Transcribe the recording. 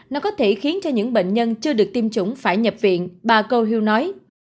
nó có thể khiến cho những bệnh nhân chưa được tiêm chủng phải nhập viện bà gohil nói